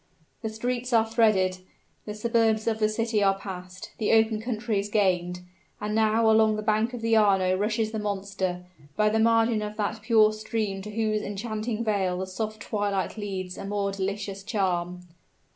The streets are threaded, the suburbs of the city are passed, the open country is gained; and now along the bank of the Arno rushes the monster, by the margin of that pure stream to whose enchanting vale the soft twilight lends a more delicious charm.